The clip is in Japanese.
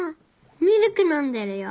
ミルク飲んでるよ。